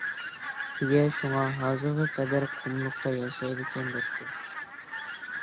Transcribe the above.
تۆگە شۇڭا ھازىرغا قەدەر قۇملۇقتا ياشايدىكەن دەپتۇ.